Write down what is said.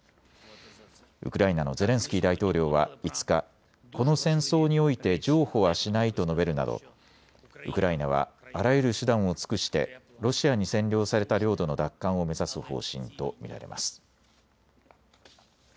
ウクライナのゼレンスキー大統領は５日、この戦争において譲歩はしないと述べるなどウクライナは、あらゆる手段を尽くしてロシアに占領された領土の奪還を目指す方針と見られます。